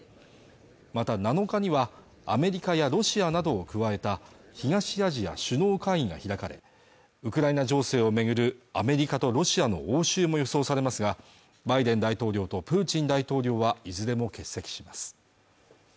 また７日にはアメリカやロシアなどを加えた東アジア首脳会議が開かれウクライナ情勢を巡るアメリカとロシアの応酬も予想されますがバイデン大統領とプーチン大統領はいずれも欠席します